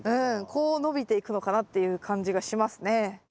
こう伸びていくのかなっていう感じがしますね。